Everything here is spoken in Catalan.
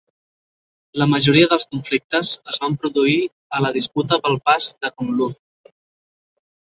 La majoria dels conflictes es van produir a la disputa pel pas de Kunlun.